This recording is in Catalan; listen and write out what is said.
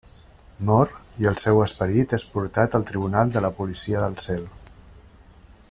Mor, i el seu esperit és portat al tribunal de la policia del cel.